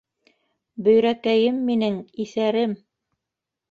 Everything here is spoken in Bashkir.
- Бөйрәкәйем минең, иҫәрем...